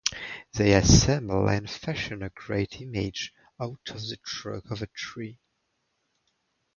They assemble and fashion a great image out of the trunk of a tree.